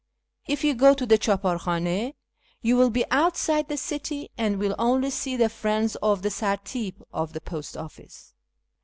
If you go to the clidpdr khdnS, you will be outside the city, and will only see the friends of the sartip of the post office.